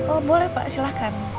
oh boleh pak silahkan